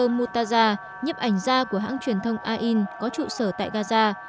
nạn nhân là yasser muttazah nhếp ảnh ra của hãng truyền thông ain có trụ sở tại gaza